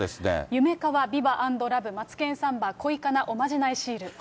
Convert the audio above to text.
ゆめかわビバ＆ラブマツケンサンバ恋叶おまじないシール。